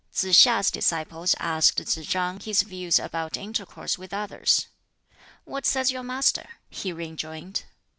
Tsz hiŠ's disciples asked Tsz chang his views about intercourse with others. "What says your Master?" he rejoined.